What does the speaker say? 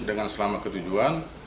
dengan selama ketujuan